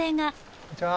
こんにちは。